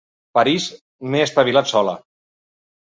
París m'he espavilat sola.